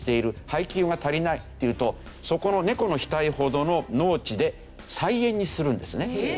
「配給が足りない」っていうとそこの猫の額ほどの農地で菜園にするんですね。